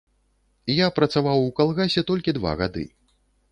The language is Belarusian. Я працаваў у калгасе толькі два гады.